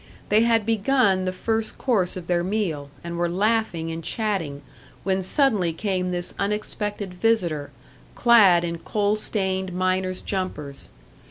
They had begun the first course of their meal, and were laughing and chatting, when suddenly came this unexpected visitor, clad in coal stained miner's jumpers.